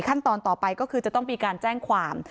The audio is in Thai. ขั้นตอนต่อไปก็คือจะต้องมีการแจ้งความ